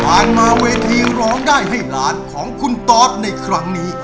มาเวทีร้องได้ให้ล้านของคุณตอสในครั้งนี้